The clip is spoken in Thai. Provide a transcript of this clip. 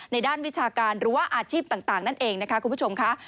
ด้านวิชาการหรือว่าอาชีพต่างนั่นเองนะคะคุณผู้ชมค่ะ